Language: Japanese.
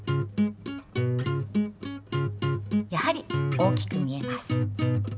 やはり大きく見えます。